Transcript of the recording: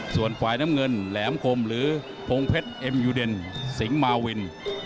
ส่วนฝ่ายน้ำเงินแหลมคมหรือพงเพชรเอ็มยูเดนสิงห์มาวิน